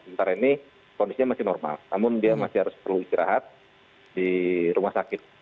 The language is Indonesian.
ntar ini kondisinya masih normal namun dia masih harus beristirahat di rumah sakit